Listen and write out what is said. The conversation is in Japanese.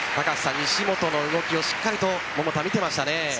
西本の動きをしっかりと桃田、見ていましたね。